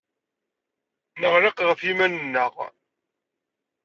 Neɣleq ɣef yiman-nneɣ.